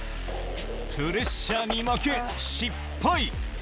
プレッシャーに負け、失敗。